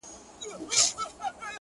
o ساقي خراب تراب مي کړه نڅېږم به زه؛